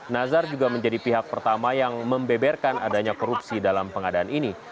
nazar juga menjadi pihak pertama yang membeberkan adanya korupsi dalam pengadaan ini